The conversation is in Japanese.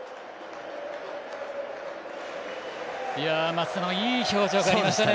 松田のいい表情がありましたね。